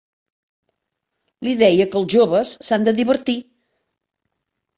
Li deia que els joves s'han de divertir;